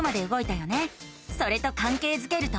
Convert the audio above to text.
それとかんけいづけると。